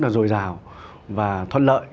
rồi rào và thoát lợi